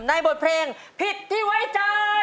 บทเพลงผิดที่ไว้ใจ